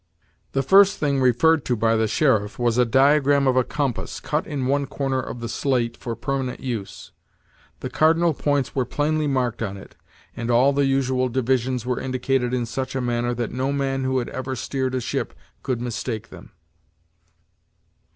The first thing referred to by the sheriff was the diagram of a compass, cut in one corner of the slate for permanent use. The cardinal points were plainly marked on it, and all the usual divisions were indicated in such a manner that no man who had ever steered a ship could mistake them.